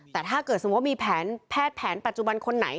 แต่ถ้าเกิดสมมุติว่ามีแผนแพทย์แผนปัจจุบันคนไหน